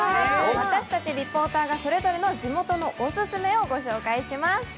私たちリポーターがそれぞれの地元のオススメをご紹介します。